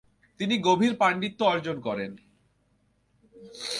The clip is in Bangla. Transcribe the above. তিনি গভীর পাণ্ডিত্য অর্জন করেন।